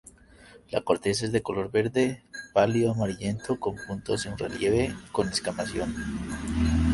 La corteza es de color verde pálido amarillento, con puntos en relieve, con descamación.